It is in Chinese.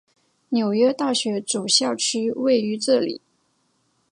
纽约大学主校区位于这里。